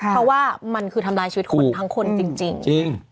เพราะว่ามันคือทำลายชีวิตคนทั้งคนจริง